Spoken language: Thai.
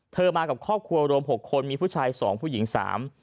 มากับครอบครัวรวมหกคนมีผู้ชายสองผู้หญิงสาม